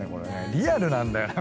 リアルなんだよな。